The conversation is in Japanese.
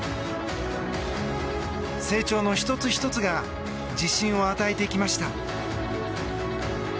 成長の１つ１つが自信を与えていきました。